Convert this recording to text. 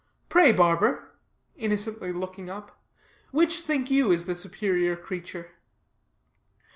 Pray, barber," innocently looking up, "which think you is the superior creature?"